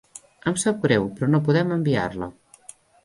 Em sap greu, però no podem enviar-la.